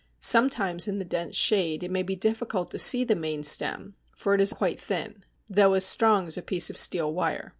Sometimes in the dense shade it may be difficult to see the main stem, for it is quite thin, though as strong as a piece of steel wire.